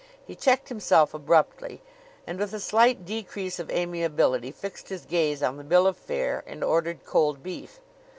He checked himself abruptly, and with a slight decrease of amiability fixed his gaze on the bill of fare and ordered cold beef.